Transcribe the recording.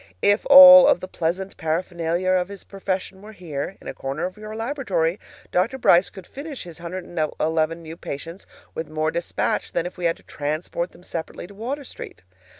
If all of the pleasant paraphernalia of his profession were here, in a corner of your laboratory, Dr. Brice could finish his 111 new patients with much more despatch than if we had to transport them separately to Water Street.